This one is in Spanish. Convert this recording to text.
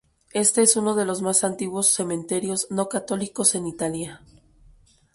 Este es uno de los más antiguos cementerios no-católicos en Italia.